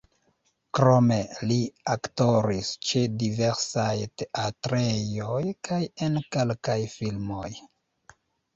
Krome li aktoris ĉe diversaj teatrejoj kaj en kelkaj filmoj.